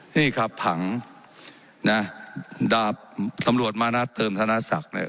นี่ครับผังนะดาบตำรวจมานัดเติมธนศักดิ์เนี่ย